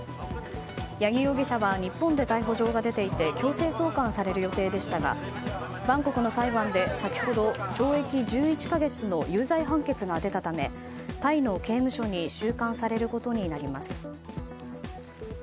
八木容疑者は日本で逮捕状が出ていて強制送還される予定でしたがバンコクの裁判で先ほど懲役１１か月の有罪判決が出たためタイの刑務所に収監されることになります。